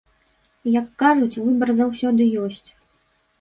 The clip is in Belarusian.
Як кажуць, выбар заўсёды ёсць.